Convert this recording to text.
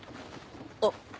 あっ。